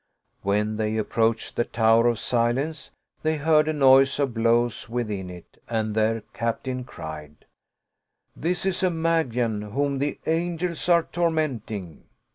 When they approached the Tower of Silence, they heard a noise of blows within it and their cap tain cried, " This is a Magian whom the Angels are torment mg."